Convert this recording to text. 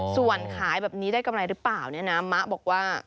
ส่วนขายแบบนี้ได้กำไรหรือเปล่าเนี่ยนะมะบอกว่า